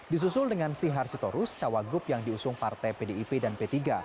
disusul dengan sihar sitorus cawagup yang diusung partai pdip dan p tiga